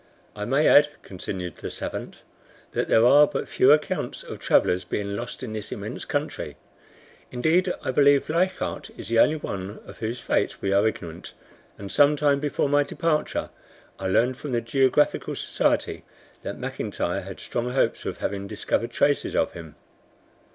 "I may add," continued the SAVANT, "that there are but few accounts of travelers being lost in this immense country. Indeed, I believe Leichardt is the only one of whose fate we are ignorant, and some time before my departure I learned from the Geographical Society that Mcintyre had strong hopes of having discovered traces of him."